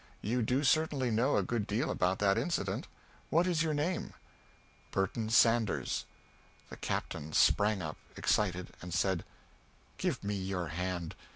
You do certainly know a good deal about that incident. What is your name?" "Burton Sanders." The Captain sprang up, excited, and said, "Give me your hand!